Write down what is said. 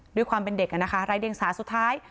ด้วยความเป็นเด็กอ่ะนะคะรายเด็งสาสุดท้าย